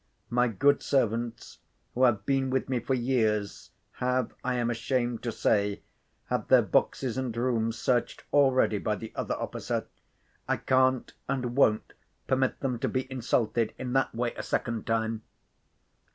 "My good servants, who have been with me for years, have, I am ashamed to say, had their boxes and rooms searched already by the other officer. I can't and won't permit them to be insulted in that way a second time!"